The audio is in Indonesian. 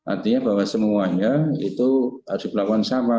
artinya bahwa semuanya itu harus dilakukan sama